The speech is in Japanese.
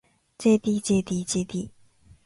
ｊｄｊｄｊｄ